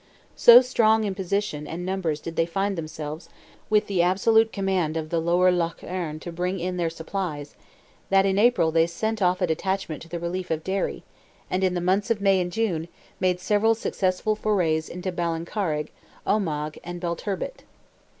So strong in position and numbers did they find themselves, with the absolute command of the lower Lough Erne to bring in their supplies, that in April they sent off a detachment to the relief of Derry, and in the months of May and June, made several successful forays to Ballincarrig, Omagh, and Belturbet.